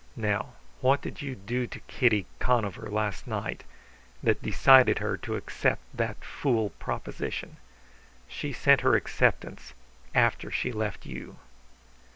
Now, what did you do to Kitty Conover last night that decided her to accept that fool proposition? She sent her acceptance after she left you.